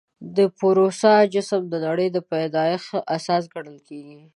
د پوروسا جسم د نړۍ د پیدایښت اساس ګڼل کېږي.